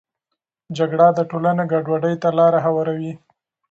جګړه د ټولنې ګډوډي ته لاره هواروي.